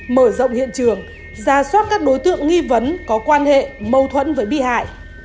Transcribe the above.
mở rộng hiện trường ra soát các đối tượng nghi vấn có quan hệ mâu thuẫn với bị hại